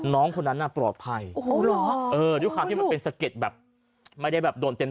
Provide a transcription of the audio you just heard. น้องคนนั้นปลอดภัยด้วยความที่มันเป็นสะเก็ดไม่ได้โดนเต็ม